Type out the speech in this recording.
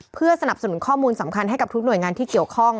เพื่อสนับสนุนข้อมูลสำคัญให้กับทุกหน่วยงานที่เกี่ยวข้อง